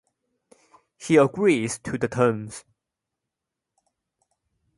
He agrees to the terms.